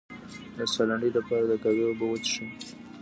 د ساه لنډۍ لپاره د قهوې اوبه وڅښئ